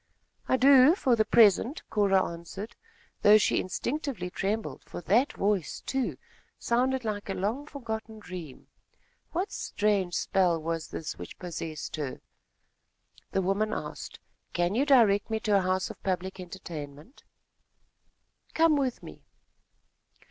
"I do, for the present," Cora answered, though she instinctively trembled, for that voice, too, sounded like a long forgotten dream. What strange spell was this which possessed her? The woman asked: "Can you direct me to a house of public entertainment?" "Come with me."